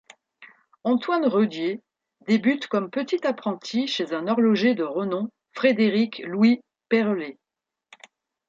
Antoine Redier débute comme petit apprenti chez un horloger de renom, Frédéric Louis Perrelet.